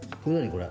これ。